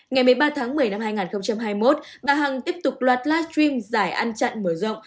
ngày một mươi ba tháng một mươi năm hai nghìn hai mươi một bà hằng tiếp tục loạt livestream giải ăn chặn mở rộng